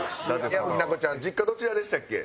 矢吹奈子ちゃん実家どちらでしたっけ？